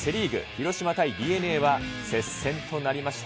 広島対ＤｅＮＡは接戦となりました。